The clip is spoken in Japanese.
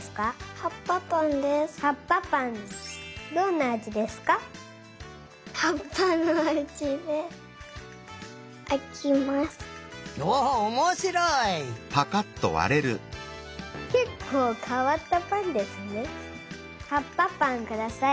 はっぱぱんください。